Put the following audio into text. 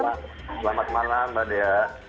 selamat malam mbak dea